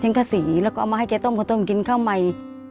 ฉันก็สี่แล้วก็เอามาให้ต้มคนต้มกินข้าวใหม่